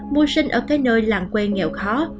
mua sinh ở cái nơi làng quê nghèo khó